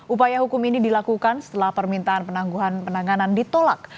upaya hukum ini dilakukan setelah permintaan penangguhan penanganan ditolak